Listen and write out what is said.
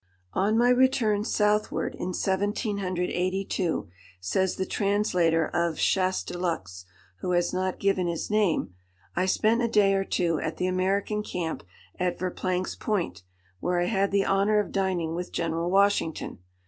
"On my return southward in 1782," says the translator of Chastellux, who has not given his name, "I spent a day or two at the American camp at Verplank's Point, where I had the honour of dining with General Washington.